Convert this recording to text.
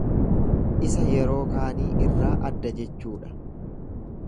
Isa yeroo kaanii irraa adda jechuudha.